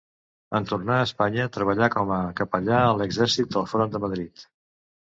En tornar a Espanya treballà com a capellà a l'exèrcit del Front de Madrid.